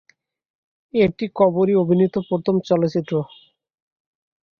এটি কবরী অভিনীত প্রথম চলচ্চিত্র।